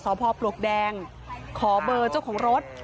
หยั่งรู้ตอนเย็นต่อจากสมรส